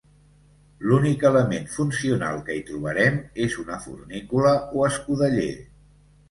L'únic element funcional que hi trobarem, és una fornícula o escudeller.